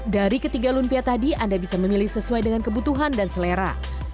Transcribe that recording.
dari ketiga lumpia tadi anda bisa memilih sesuai dengan kebutuhan dan selera